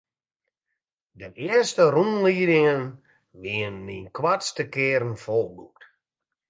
De earste rûnliedingen wiene yn de koartste kearen folboekt.